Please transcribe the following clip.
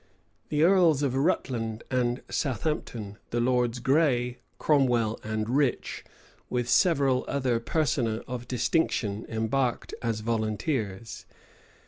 The earls of Rutland and Southampton, the Lords Grey, Cromwell, and Rich, with several other persona of distinction, embarked as volunteers.